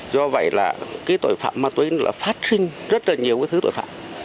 do vậy là tội phạm ma túy phát sinh rất nhiều thứ tội phạm